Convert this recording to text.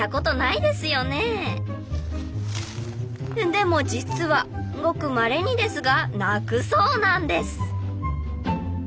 でも実はごくまれにですが鳴くそうなんです。